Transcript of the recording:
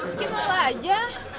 mungkin nolah aja